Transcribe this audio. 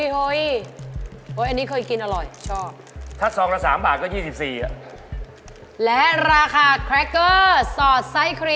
๒๐เฮ้ยเอ้ยเอาแล้วเอาแล้วเอาแล้ว๘สอง